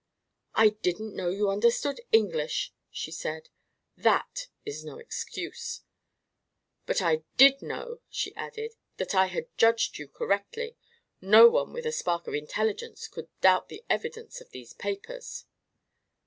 "I didn't know you understood English," she said. "That is no excuse!" "But I did know," she added, "that I had judged you correctly. No one with a spark of intelligence could doubt the evidence of these papers."